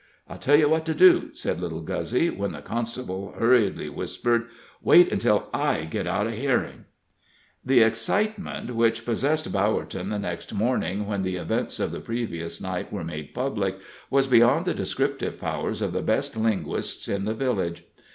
"I'll tell you what to do," said little Guzzy, when the constable hurriedly whispered: "Wait until I get out of hearing." The excitement which possessed Bowerton the next morning, when the events of the previous night were made public, was beyond the descriptive powers of the best linguists in the village.